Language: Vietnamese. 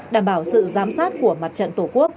đảm bảo sự giám sát của mặt trận tổ quốc